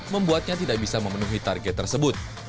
membuatnya tidak bisa memenuhi target tersebut